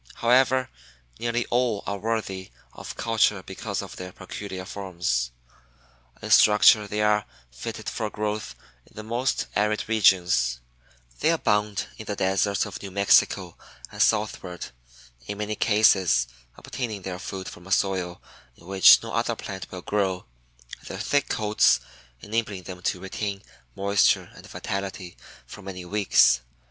However, nearly all are worthy of culture because of their peculiar forms. In structure they are fitted for growth in the most arid regions; they abound in the deserts of New Mexico and southward, in many cases obtaining their food from a soil in which no other plant will grow, their thick coats enabling them to retain moisture and vitality for many weeks.